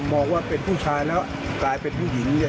บอกว่าเป็นผู้ชายแล้วกลายเป็นผู้หญิงเนี่ย